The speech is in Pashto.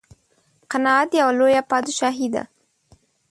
قناعت یوه لویه بادشاهي ده.